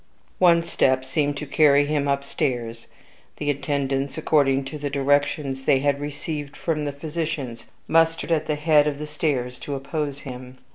One step seemed to carry him upstairs. The attendants, according to the directions they had received from the physicians, mustered at the head of the stairs to oppose him.